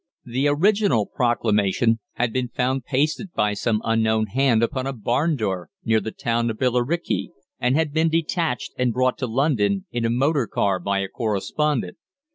The original proclamation had been found pasted by some unknown hand upon a barn door near the town of Billericay, and had been detached and brought to London in a motor car by a correspondent.